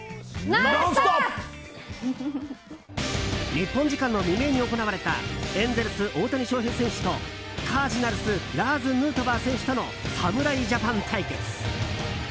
日本時間の未明に行われたエンゼルス大谷翔平選手とカージナルスラーズ・ヌートバー選手との侍ジャパン対決。